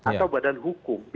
atau badan hukum